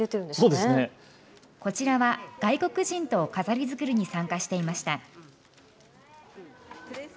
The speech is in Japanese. こちらは外国人と飾り作りに参加していました。